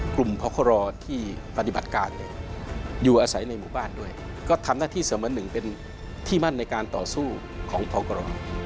พครอที่ปฏิบัติการเนี่ยอยู่อาศัยในหมู่บ้านด้วยก็ทำหน้าที่เสมือนหนึ่งเป็นที่มั่นในการต่อสู้ของพกร